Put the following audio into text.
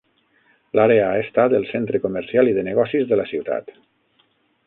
L'àrea ha estat el centre comercial i de negocis de la ciutat.